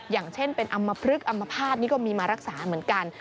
อย่างเช่นเป็นอำมพลึกอำมภาษณนี่ก็มีมารักษาเหมือนกัน